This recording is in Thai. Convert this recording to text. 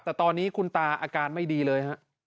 แต่ตอนนี้คุณตาอาการไม่ดีเลยฮะ